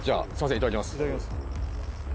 いただきます